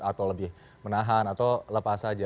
atau lebih menahan atau lepas saja